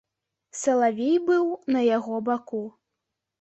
Салавей быў на яго баку.